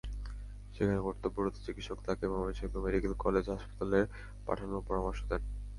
সেখানে কর্তব্যরত চিকিৎসক তাঁকে ময়মনসিংহ মেডিকেল কলেজ হাসপাতালে পাঠানোর পরামর্শ দেন।